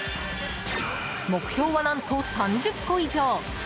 目標は何と３０個以上。